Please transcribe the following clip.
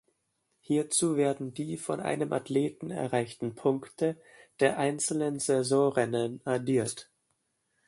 Hierzu werden die von einem Athleten erreichten Punkte der einzelnen Saisonrennen addiert.